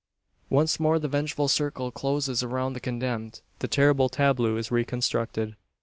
Once more the vengeful circle closes around the condemned the terrible tableau is reconstructed.